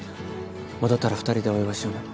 戻ったら２人でお祝いしような。